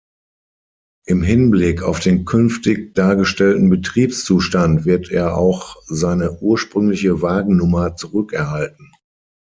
Im Hinblick auf den künftig dargestellten Betriebszustand wird er auch seine ursprüngliche Wagennummer zurückerhalten.